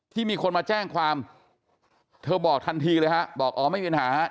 มีคนมาแจ้งความเธอบอกทันทีเลยฮะบอกอ๋อไม่มีปัญหา